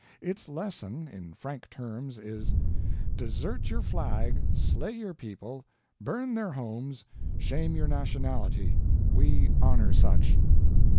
Its lesson, in frank terms is, "Desert your flag, slay your people, burn their homes, shame your nationality we honor such."